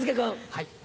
はい。